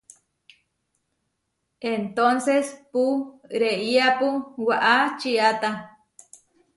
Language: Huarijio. Entónses pú reiápu waʼá čiáta.